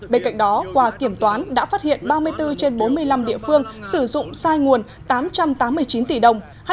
bên cạnh đó qua kiểm toán đã phát hiện ba mươi bốn trên bốn mươi năm địa phương sử dụng sai nguồn tám trăm tám mươi chín tỷ đồng